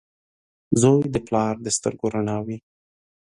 • زوی د پلار د سترګو رڼا وي.